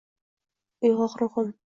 Uyg’oq ruhim